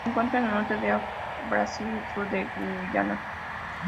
Se encuentra en el norte de Brasil y el sur de Guyana.